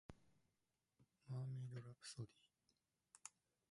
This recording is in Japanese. マーメイドラプソディ